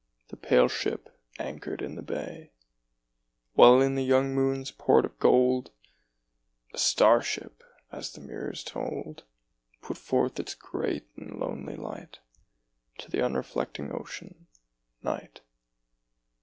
The pale ship anchored in the bay, While in the young moon's port of gold A star ship — as the mirrors told — Put forth its great and lonely light To the unreflecting Ocean, Night.